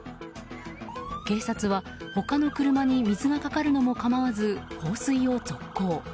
警察は他の車に水がかかるのも構わず放水を続行。